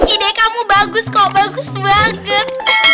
ide kamu bagus kok bagus banget